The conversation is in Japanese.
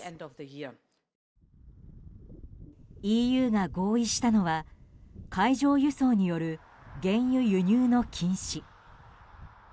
ＥＵが合意したのは海上輸送による原油輸入の禁止。